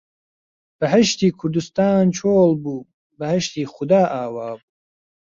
بەهەشتی کوردستان چۆڵ بوو، بەهەشتی خودا ئاوا بوو